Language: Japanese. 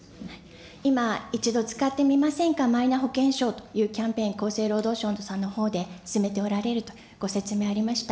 今、一度使ってみませんか、マイナ保険証というキャンペーン、厚生労働省さんのほうで進めておられると、ご説明がありました。